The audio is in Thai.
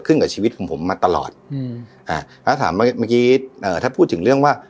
กับชีวิตของผมมาตลอดอืมอ่าแล้วถามเมื่อกี้เอ่อถ้าพูดถึงเรื่องว่า